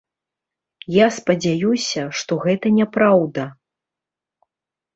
Я спадзяюся, што гэта няпраўда.